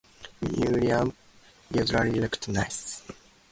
Miriam usually looked nice.